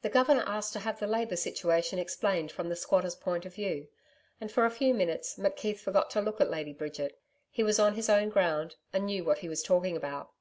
The Governor asked to have the Labour situation explained from the squatters' point of view; and for a few minutes McKeith forgot to look at Lady Bridget. He was on his own ground and knew what he was talking about.